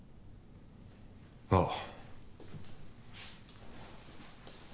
ああ。